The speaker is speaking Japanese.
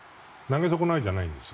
投げ損ないじゃないんです。